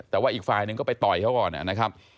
แต่ว่าอีกฝ่ายหนึ่งก็ไปต่อยเขาก่อนนะครับ